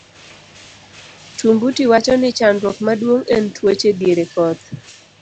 Tumbuti wacho ni chandruok maduong' en tuoche diere koth.